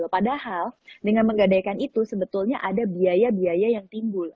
padahal dengan menggadaikan itu sebetulnya ada biaya biaya yang timbul